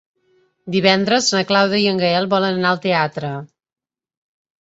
Divendres na Clàudia i en Gaël volen anar al teatre.